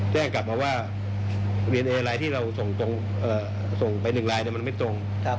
แจ้งกลับมาว่าดีเอนเอไลน์ที่เราส่งไป๑ลายมันไม่ตรง